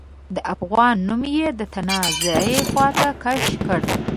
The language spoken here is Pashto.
د افغان نوم يې د تنازعې خواته کش کړ.